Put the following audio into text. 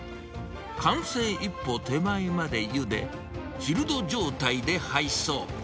完成一歩手前までゆで、チルド状態で配送。